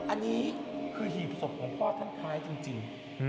อันนี้คือหีบศพของพ่อท่านคล้ายจริง